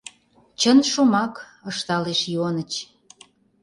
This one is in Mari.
— Чын шомак, — ышталеш Ионыч.